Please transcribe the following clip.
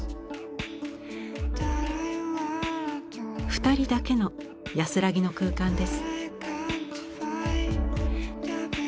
２人だけの安らぎの空間です。